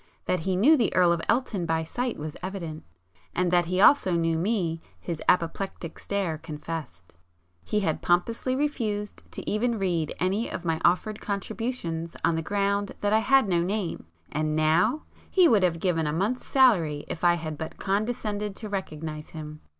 That he knew the Earl of Elton by sight was evident, and that he also knew me his apoplectic stare confessed. He had pompously refused to even read any of my offered contributions on the ground that I had 'no name,'—and now—! he would have given a month's salary if I had but condescended to recognize him!